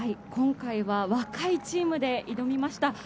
今回は若いチームで挑みました。